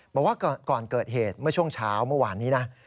บอกว่าก่อนเกิดเหตุเมื่อช่วงเช้าเมื่อวานนี้นะ